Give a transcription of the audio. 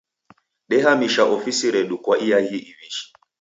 Dehamisha ofisi redu kwa iaghi iw'ishi.